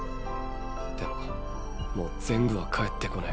でももう全部は返ってこねぇ。